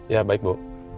ya baik bu